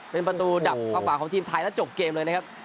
เป็นประตูดับเข้าขวาของทีมไทยแล้วจบเกมเลยนะครับ